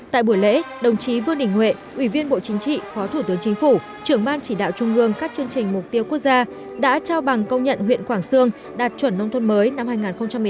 tại buổi lễ đồng chí vương đình huệ ủy viên bộ chính trị phó thủ tướng chính phủ trưởng ban chỉ đạo trung ương các chương trình mục tiêu quốc gia đã trao bằng công nhận huyện quảng sương đạt chuẩn nông thôn mới năm hai nghìn một mươi tám